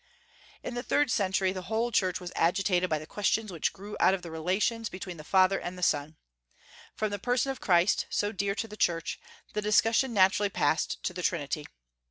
In the third century the whole Church was agitated by the questions which grew out of the relations between the Father and the Son. From the person of Christ so dear to the Church the discussion naturally passed to the Trinity.